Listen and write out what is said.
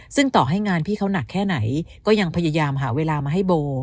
ซึ่งต่อให้งานพี่เขาหนักแค่ไหนก็ยังพยายามหาเวลามาให้โบ